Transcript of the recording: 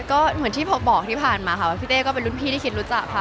ก็เหมือนที่พบบอกที่ผ่านมาค่ะว่าพี่เต้ก็เป็นรุ่นพี่ที่คิดรู้จักค่ะ